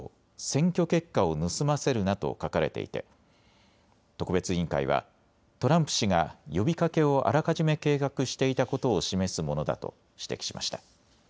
選挙結果を盗ませるなと書かれていて、特別委員会はトランプ氏が呼びかけをあらかじめ計画していたことを示すものだと指摘しました。